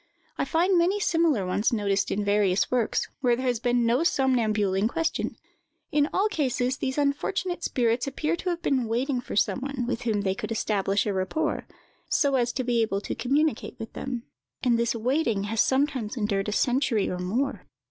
I find many similar ones noticed in various works, where there has been no somnambule in question. In all cases, these unfortunate spirits appear to have been waiting for some one with whom they could establish a rapport, so as to be able to communicate with them; and this waiting has sometimes endured a century or more.